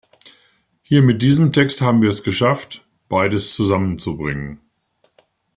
Hier mit diesem Text haben wir es geschafft, beides zusammenzubringen.